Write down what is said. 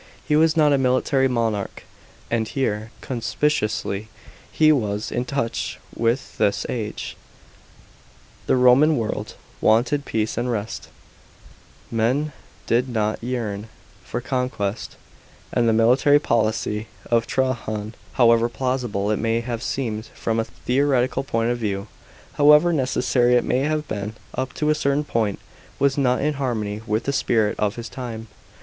He was not a military monarch ; and here, conspicuously, he was in touch with his age. The Roman world wanted peace and rest ; men did not yearn for conquest ; and the military policy of Trajan, however plausible it may have seemed from a theoretical point of view, however necessary it may have been up to a certain point, was not in harmony with the spirit of his time.